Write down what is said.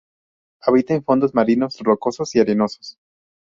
Habita en fondos marinos rocosos y arenosos.